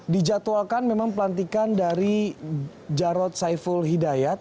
dijadwalkan memang pelantikan dari jarod saiful hidayat